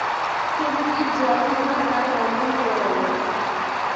সুরীতির জলখাবার প্রায় বন্ধ হয়ে গেল।